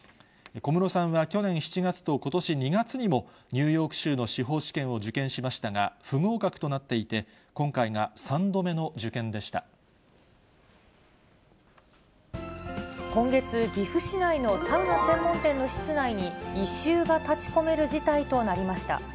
小室さんは去年７月とことし２月にも、ニューヨーク州の司法試験を受験しましたが、不合格となっていて、今月、岐阜市内のサウナ専門店の室内に、異臭が立ちこめる事態となりました。